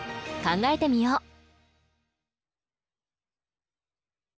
考えてみよう。